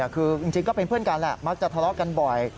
คือจริงก็เป็นเพื่อนกันแหละมักจะทะเลาะกันบ่อย